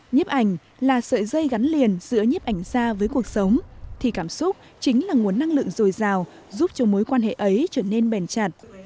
nhiếp ảnh là sợi dây gắn liền giữa nhiếp ảnh gia với cuộc sống thì cảm xúc chính là nguồn năng lượng dồi dào giúp cho mối quan hệ ấy trở nên bền chặt